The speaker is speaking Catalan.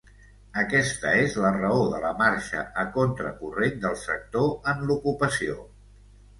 Aquesta és la raó de la marxa a contracorrent del sector en l’ocupació.